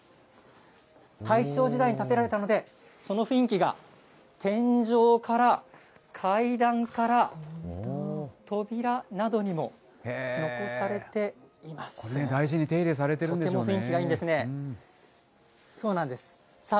大正時代に建てられたので、その雰囲気が、天井から、階段から、大事に手入れされているんでとっても雰囲気がいいんですそうなんです。